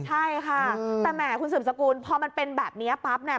ใช่ค่ะแต่แหมคุณสืบสกุลพอมันเป็นแบบนี้ปั๊บเนี่ย